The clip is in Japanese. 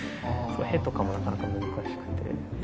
「ヘ」とかもなかなか難しくて。